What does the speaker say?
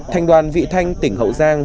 thành đoàn vị thanh tỉnh hậu giang